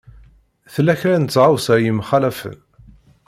Tella kra n tɣawsa i yemxalafen.